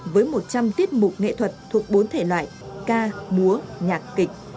với một trăm linh tiết mục nghệ thuật thuộc bốn thể loại ca múa nhạc kịch